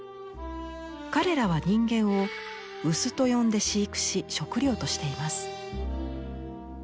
彼らは人間を「ウス」と呼んで飼育し食糧としています。